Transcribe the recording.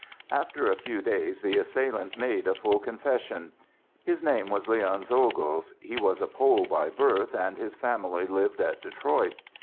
After a few days the assailant made a full confession. His name was Leon Czolgosz; he was a Pole by birth, and his family lived at Detroit.